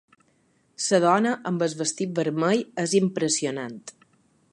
La dona amb el vestit vermell és impressionant.